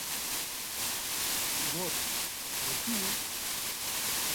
Got: ‘’ Tu ji ku yî? ‘’